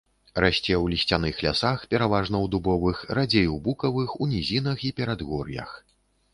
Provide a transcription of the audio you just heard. Расце ў лісцяных лясах, пераважна ў дубовых, радзей у букавых, у нізінах і перадгор'ях.